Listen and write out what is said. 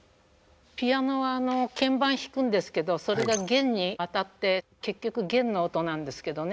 ピアノは鍵盤弾くんですけどそれが弦に当たって結局弦の音なんですけどね。